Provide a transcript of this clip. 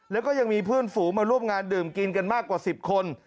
แล้วก็ยังมีเพื่อนฝูงมาร่วมงานดื่มกินกันมากกว่า๑๐คน